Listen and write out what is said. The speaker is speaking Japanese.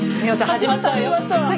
始まった。